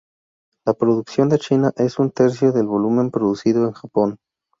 La producción de China es un tercio del volumen producido en Japón.